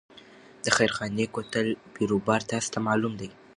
د خیرخانې کوتل بیروبار تاسو ته معلوم دی.